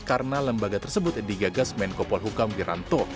karena lembaga tersebut digagas menkopol hukum di rantau